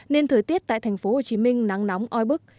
nên thời tiết tại tp hcm nắng nóng oi bức